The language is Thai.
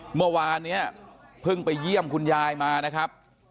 เมื่อวานเนี่ยเพิ่งไปเยี่ยมคุณยายมานะครับ